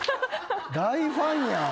大ファンやん。